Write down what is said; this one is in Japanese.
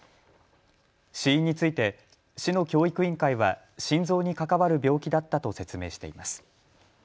死因について市の教育委員会は心臓に関わる病気だったと説明しています。